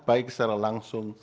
baik secara langsung